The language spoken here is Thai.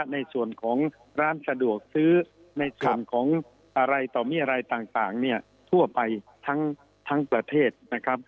ในส่วนของร้านสะดวกซื้อในส่วนของอะไรต่อมีอะไรต่างเนี่ยทั่วไปทั้งประเทศนะครับ